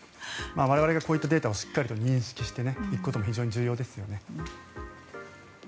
我々がこういったデータをしっかりと認識していくことも重要ですよね。